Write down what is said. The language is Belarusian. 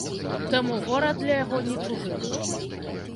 Таму горад для яго не чужы.